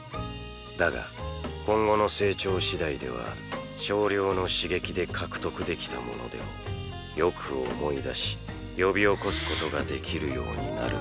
だが今後の成長次第では少量の刺激で獲得できたものでもよく思い出し呼び起こすことが出来るようになるだろう